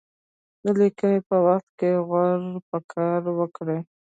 د لیکني په وخت کې غور پکې وکړي.